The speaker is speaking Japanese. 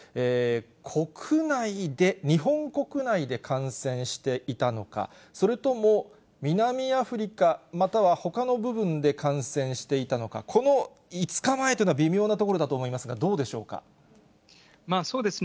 国内で、日本国内で感染していたのか、それとも南アフリカ、またはほかの部分で感染していたのか、この５日前というのは微妙なところだと思いますが、どうでしょうそうですね。